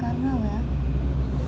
kalau karena soal masak udah dibantu di